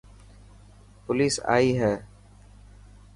پوليس آئي هي.